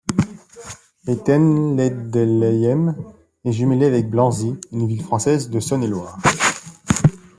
Hettenleidelheim est jumelée avec Blanzy, une ville française de Saône-et-Loire.